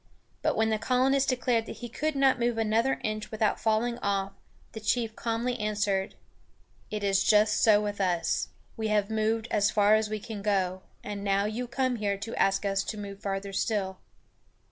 But when the colonist declared he could not move another inch without falling off, the chief calmly answered: "It is just so with us. We have moved as far as we can go, and now you come here to ask us to move farther still."